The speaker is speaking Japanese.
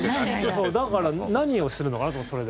そう、だから何をするのかなと思って。